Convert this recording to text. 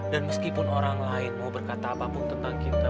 dan meskipun orang lain mau berkata apapun tentang kita